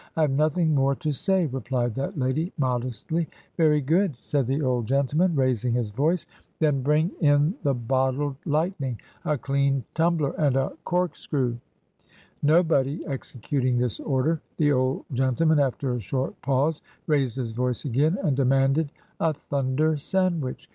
'I have nothing more to say,' replied that lady modestly. ... 'Very good,' said the old gentleman, raising his voice, 'then bring 130 Digitized by VjOOQIC THE EARLIER HEROINES OF DICKENS in the bottled lightning, a clean tumbler, and a cork screw.' Nobody executing this order, the old gentle man, after a short pause, raised his voice again, and de manded a thunder sandwich.